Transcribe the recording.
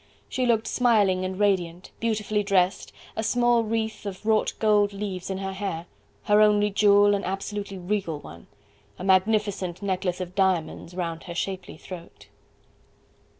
She looked smiling and radiant, beautifully dressed, a small wreath of wrought gold leaves in her hair, her only jewel an absolutely regal one, a magnificent necklace of diamonds round her shapely throat.